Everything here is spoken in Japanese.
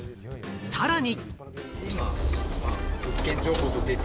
さらに。